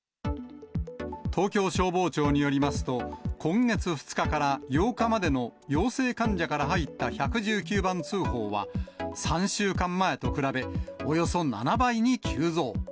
東京消防庁によりますと、今月２日から８日までの陽性患者から入った１１９番通報は、３週間前と比べ、およそ７倍に急増。